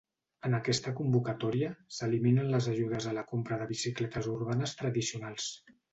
En aquesta convocatòria s’eliminen les ajudes a la compra de bicicletes urbanes tradicionals.